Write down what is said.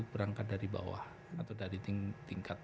berangkat dari bawah atau dari tingkat